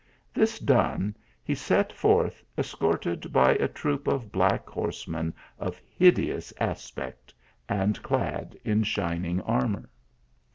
This done, he set forth escorted by a troop of black horsemen of hideous aspect, and clad in shining armour.